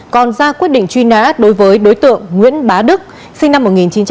còn ra quyết định truy nã đối với đối tượng nguyễn bá đức sinh năm một nghìn chín trăm tám mươi